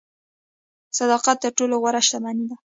صداقت تر ټولو غوره شتمني ده.